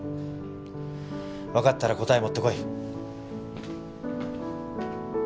わかったら答え持ってこい。